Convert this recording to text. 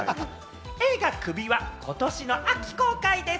映画『首』は今年の秋公開です。